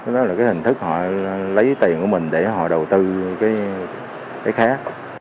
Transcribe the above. đó là cái hình thức họ lấy tiền của mình để họ đầu tư cái khác